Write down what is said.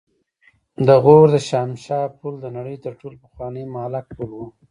د غور د شاهمشه پل د نړۍ تر ټولو پخوانی معلق پل و